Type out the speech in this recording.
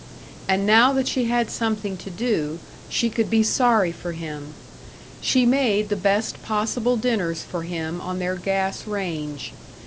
And now that she had something to do, she could be sorry for him. She made the best possible dinners for him on their gas range.